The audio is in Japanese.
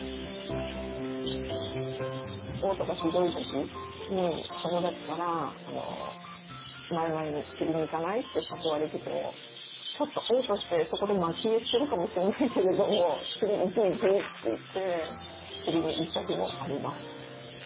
おう吐がひどい時に友達から前々に「釣りに行かない？」って誘われてても「ちょっとおう吐してそこでまき餌してるかもしれないけれども釣り行く行く」って言って釣りに行った日もあります。